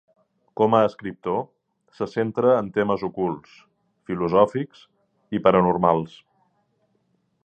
Com a escriptor, se centra en temes ocults, filosòfics i paranormals.